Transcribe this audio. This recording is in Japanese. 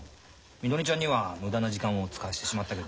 みのりちゃんには無駄な時間を使わせてしまったけど。